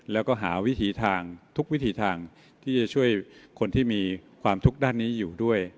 แล้วก็หาวิถีทางทุกวิถีทางที่จะช่วยคนที่มีความทุกข์ด้านนี้อยู่ด้วย